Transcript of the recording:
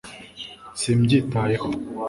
simbyitayeho